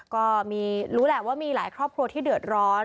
ก็มีรู้แหละว่ามีหลายครอบครัวที่เดือดร้อน